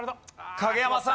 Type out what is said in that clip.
影山さん